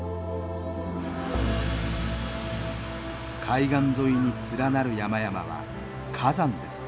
海岸沿いに連なる山々は火山です。